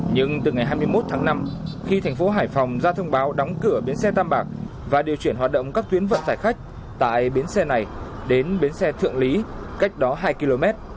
nhưng từ ngày hai mươi một tháng năm khi thành phố hải phòng ra thông báo đóng cửa bến xe tam bạc và điều chuyển hoạt động các tuyến vận tải khách tại bến xe này đến bến xe thượng lý cách đó hai km